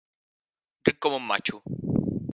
Ric com un matxo.